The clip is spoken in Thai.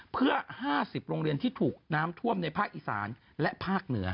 เพื่อ๕๐โรงเรียนที่ถูกน้ำท่วมในภาคอีสานและภาคเหนือ